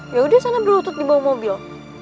yaudah sana berlutut dibawa mobil